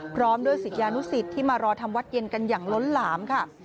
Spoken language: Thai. พร้อมด้วยศิษยานุสิตที่มารอทำวัดเย็นกันอย่างล้นหลามค่ะ